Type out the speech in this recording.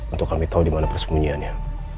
untuk kami tahu di mana persembunyiannya